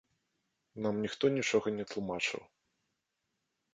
Нам ніхто нічога не тлумачыў.